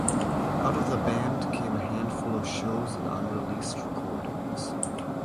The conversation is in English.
Out of the band came a handful of shows and unreleased recordings.